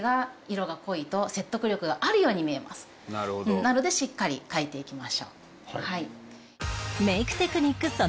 「なるほど」なのでしっかり描いていきましょう。